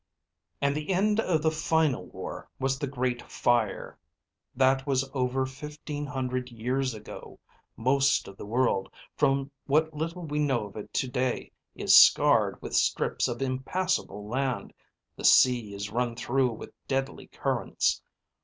And the end of the final war was the Great Fire. That was over fifteen hundred years ago. Most of the world, from what little we know of it today, is scarred with strips of impassable land, the sea is run through with deadly currents.